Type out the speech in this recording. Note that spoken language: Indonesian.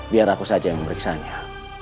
biar aku saja yang memeriksanya